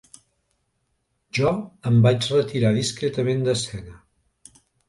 Jo em vaig retirar discretament d'escena.